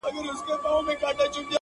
تر اټکه د هلیمند څپې رسیږي-